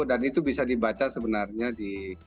dan itu bisa dibaca sebenarnya di